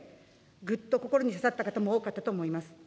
ぐっと心に刺さった方も多かったと思います。